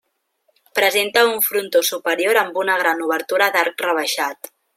Presenta un frontó superior amb gran obertura d'arc rebaixat.